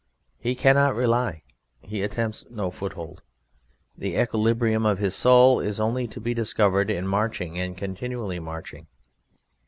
He cannot rely; he attempts no foothold. The equilibrium of his soul is only to be discovered in marching and continually marching.